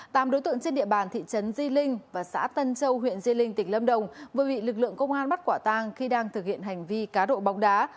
tám đối tượng trên địa bàn thị trấn di linh và xã tân châu huyện di linh tỉnh lâm đồng vừa bị lực lượng công an bắt quả tang khi đang thực hiện hành vi cá độ bóng đá